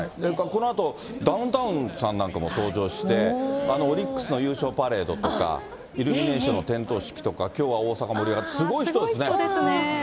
このあとダウンタウンさんなんかも登場して、オリックスの優勝パレードとか、イルミネーションの点灯式とか、きょうは大阪盛り上がって、そうですね。